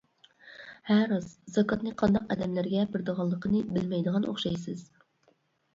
ھە راست، زاكاتنى قانداق ئادەملەرگە بېرىدىغانلىقىنى بىلمەيدىغان ئوخشايسىز.